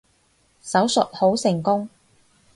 手術好成功